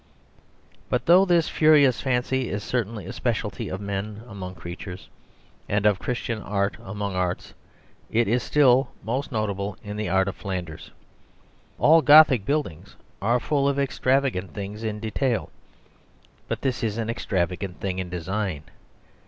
But though this furious fancy is certainly a specialty of men among creatures, and of Christian art among arts, it is still most notable in the art of Flanders. All Gothic buildings are full of extravagant things in detail; but this is an extravagant thing in design.